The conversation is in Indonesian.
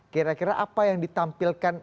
kira kira apa yang ditampilkan